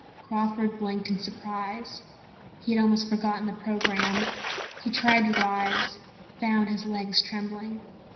Crawford blinked in surprise. He had almost forgotten the program. He tried to rise, found his legs trembling.